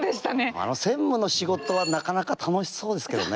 あの専務の仕事はなかなか楽しそうですけどね。